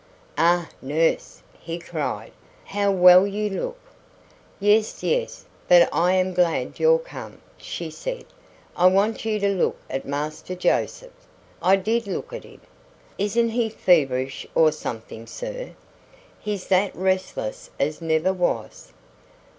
"Ah! nurse," he cried; "how well you look!" "Yes, yes; but I am glad you're come," she said. "I want you to look at Master Joseph." "I did look at him." "Isn't he feverish or something, sir? He's that restless as never was."